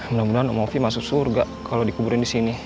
mudah mudahan movie masuk surga kalau dikuburin di sini